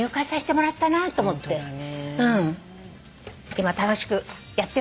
今楽しくやってますので。